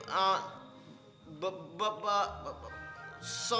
kok gak dibaca sih suratnya